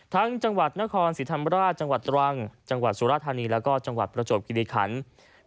ทั้งจังหวัดนครสิรธรรมราชจังหวัดตรังจังหวัดสุรธารีย์และก็จังหวัดประโจปกิริขันศ์